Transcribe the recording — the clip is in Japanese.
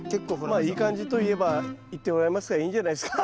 まあいい感じといえば言っておられますからいいんじゃないすか。